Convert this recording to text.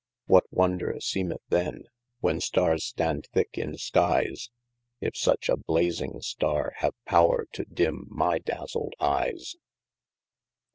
What wonder seemeth then? when star res stand thicke in skies, If such a biasing starre have power to dim my dazled eyes